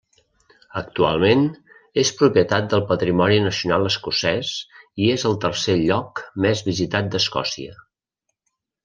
Actualment, és propietat del Patrimoni Nacional Escocès i és el tercer lloc més visitat d'Escòcia.